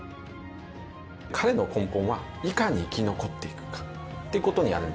彼の根本はいかに生き残っていくかってことにあるんだと思いますね。